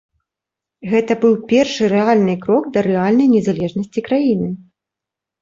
Гэта быў першы рэальны крок да рэальнай незалежнасці краіны.